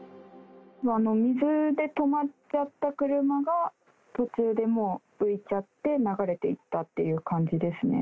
水で止まっちゃった車が途中でもう浮いちゃって、流れていったっていう感じですね。